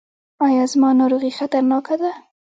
ایا زما ناروغي خطرناکه ده؟